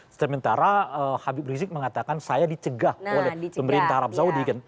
sementara habib rizik mengatakan saya dicegah oleh pemerintah arab saudi kan